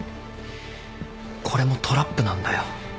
これもトラップなんだよ。